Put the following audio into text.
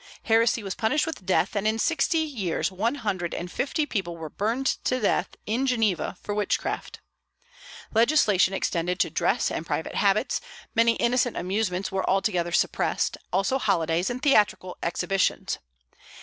Heresy was punished with death; and in sixty years one hundred and fifty people were burned to death, in Geneva, for witchcraft. Legislation extended to dress and private habits; many innocent amusements were altogether suppressed; also holidays and theatrical exhibitions.